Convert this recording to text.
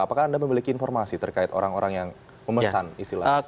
apakah anda memiliki informasi terkait orang orang yang memesan istilah